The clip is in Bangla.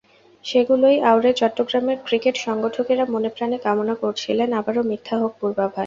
সেগুলোই আওড়ে চট্টগ্রামের ক্রিকেট সংগঠকেরা মনে-প্রাণে কামনা করছিলেন আবারও মিথ্যা হোক পূর্বাভাস।